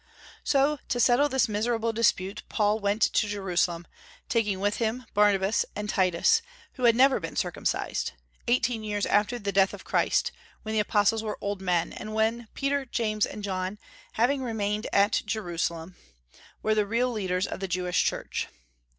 So, to settle this miserable dispute, Paul went to Jerusalem, taking with him Barnabas and Titus, who had never been circumcised, eighteen years after the death of Jesus, when the apostles were old men, and when Peter, James, and John, having remained at Jerusalem, were the real leaders of the Jewish Church.